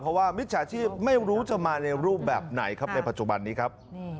เพราะว่ามิจฉาชีพไม่รู้จะมาในรูปแบบไหนครับในปัจจุบันนี้ครับ